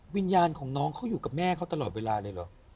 วิญญาณของน้องเขาอยู่กับแม่เขาตลอดเวลาเลยเหรอ